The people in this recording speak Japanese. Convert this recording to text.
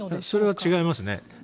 それは違いますね。